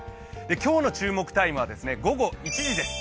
今日の注目タイムは午後１時です。